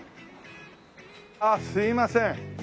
ああすみません。